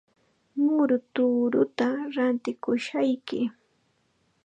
Muru tuuruuta rantikushayki.